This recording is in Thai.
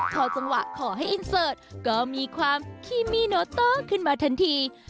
พอจังหวะขอให้อินเสิร์ตก็มีความคีมี่โนโตขึ้นมาทันที